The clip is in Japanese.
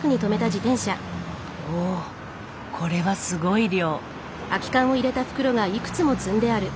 おおこれはすごい量。